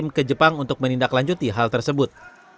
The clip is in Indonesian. dan juga mengirim tim ke jepang untuk menindaklanjuti hal tersebut